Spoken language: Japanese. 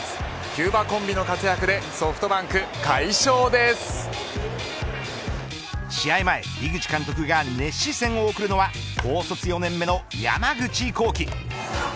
キューバコンビの活躍でソフトバンク試合前、井口監督が熱視線を送るのは高卒４年目の山口航輝。